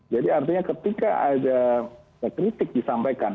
artinya ketika ada kritik disampaikan